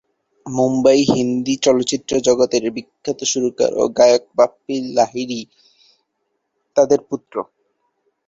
মুম্বাই হিন্দি চলচ্চিত্র জগতের বিখ্যাত সুরকার ও গায়ক বাপ্পী লাহিড়ী তাদের পুত্র।